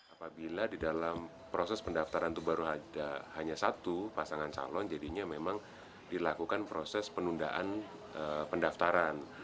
apabila di dalam proses pendaftaran itu baru ada hanya satu pasangan calon jadinya memang dilakukan proses penundaan pendaftaran